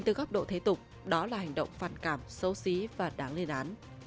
từ góc độ thế tục đó là hành động phản cảm xấu xí và đáng lê đán